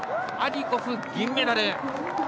アディコフ、銀メダル。